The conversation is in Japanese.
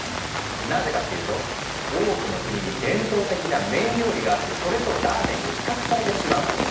なぜかっていうと多くの国に伝統的な麺料理があってそれとラーメンが比較されてしまうから。